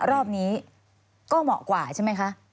รอบนี้ก็เหมาะกว่าใช่ไหมคะ